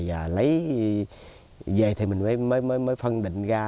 và lấy về thì mình mới phân định ra